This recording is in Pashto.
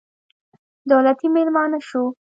دولتي مېلمانه شوو.